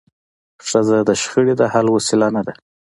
ښځه د شخړي د حل وسیله نه ده.